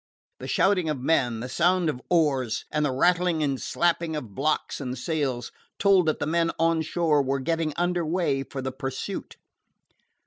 The shouting of men, the sound of oars, and the rattling and slapping of blocks and sails, told that the men on shore were getting under way for the pursuit.